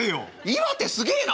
岩手すげえな。